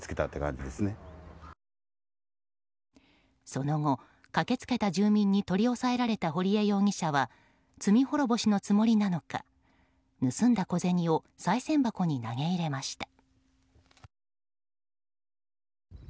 その後、駆け付けた住人に取り押さえられた堀江容疑者は罪滅ぼしのつもりなのか盗んだ小銭をさい銭箱に投げ入れました。